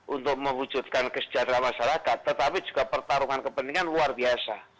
untuk mewujudkan kesejahteraan masyarakat tetapi juga pertarungan kepentingan luar biasa